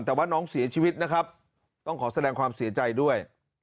แต่ว่าน้องเสียชีวิตนะครับต้องขอแสดงความเสียใจด้วย